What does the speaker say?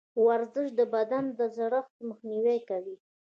ورزش د بدن د زړښت مخنیوی کوي.